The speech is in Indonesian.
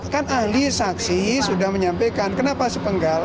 kan ahli saksi sudah menyampaikan kenapa sepenggal